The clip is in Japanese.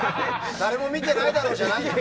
誰も見てないだろうじゃないよ！